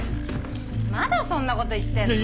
まだそんなこと言ってんの？